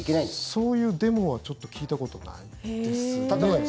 そういうデモはちょっと聞いたことないですね。